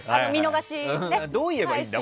どう言えばいいんだ？